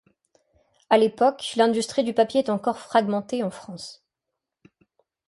À l'époque, l'industrie du papier est encore fragmentée en France.